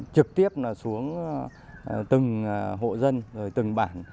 trực tiếp xuống từng hộ dân từng bản